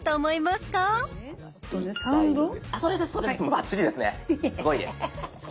すごいです。